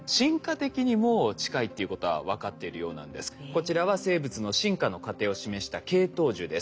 こちらは生物の進化の過程を示した系統樹です。